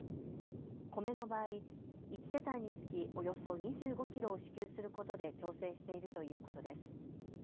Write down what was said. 米の場合、１世帯につきおよそ２５キロを支給することで調整しているということです。